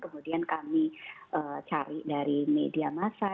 kemudian kami cari dari media massa